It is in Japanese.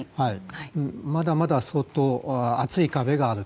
まだまだ相当厚い壁がある。